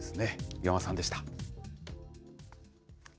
岩間さんでした。